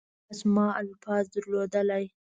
کاش ما الفاظ درلودلی .